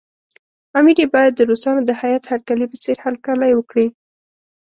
امیر یې باید د روسانو د هیات هرکلي په څېر هرکلی وکړي.